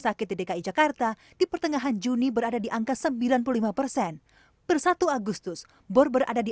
sakit di dki jakarta di pertengahan juni berada di angka sembilan puluh lima persen per satu agustus bor berada di